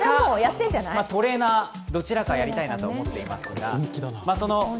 トレーナー、どちらかはやってみたいと思ってるんですが。